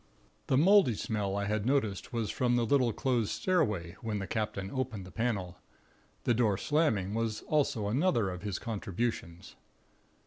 "The moldy smell I had noticed was from the little closed stairway, when the captain opened the panel. The door slamming was also another of his contributions.